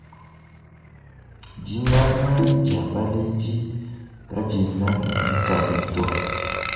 Dinanga dia baledi kadiena ne mikalu to.